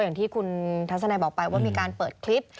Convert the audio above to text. วันนี้วันเกิดนะครับ